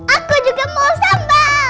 aku juga mau sambal